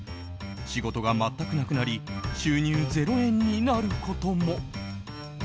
仕事が全くなくなり収入０円になることも。